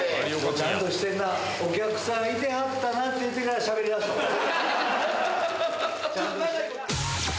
ちゃんとしてんなお客さんいてはったなって言ってからしゃべり出したもんな。